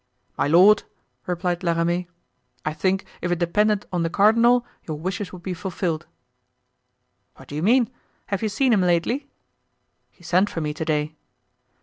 "My lord," replied La Ramee, "I think if it depended on the cardinal your wishes would be fulfilled." "What do you mean? Have you seen him lately?" "He sent for me to day."